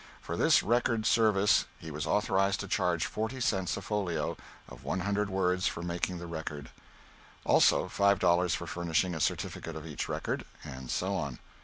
For this record service he was authorized to charge forty cents a folio of one hundred words for making the record; also five dollars for furnishing a certificate of each record, and so on.